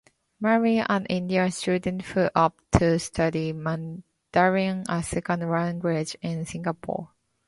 Malay and Indian students who opt to study Mandarin as second Language in Singapore.